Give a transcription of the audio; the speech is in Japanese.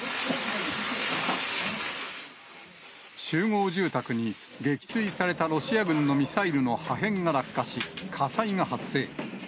集合住宅に、撃墜されたロシア軍のミサイルの破片が落下し、火災が発生。